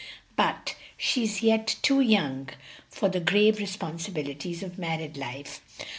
But she is yet too young for the grave responsibilities of married life.